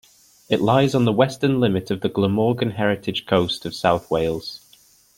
It lies on the western limit of the Glamorgan Heritage Coast of south Wales.